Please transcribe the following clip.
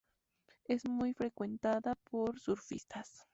Es muy frecuentada por surfistas.